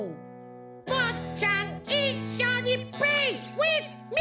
ぼっちゃんいっしょにプレイウィズミー！